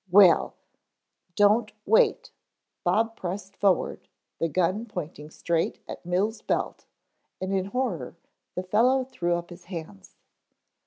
"Well " "Don't wait." Bob pressed forward, the gun pointing straight at Mills' belt and in terror the fellow threw up his hands.